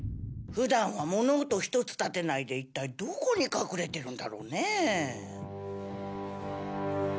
普段は物音ひとつ立てないで一体どこに隠れているんだろうねえ。